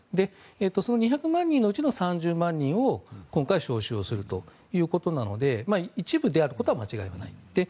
その２００万人のうちの３０万人を今回、招集するということなので一部であることは間違いはない。